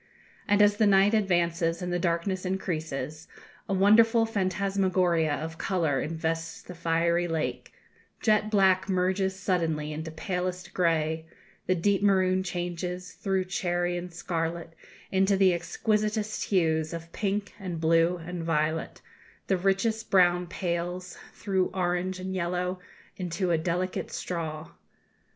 And as the night advances and the darkness increases, a wonderful phantasmagoria of colour invests the fiery lake jet black merges suddenly into palest grey; the deepest maroon changes, through cherry and scarlet, into the exquisitest hues of pink and blue and violet; the richest brown pales, through orange and yellow, into a delicate straw.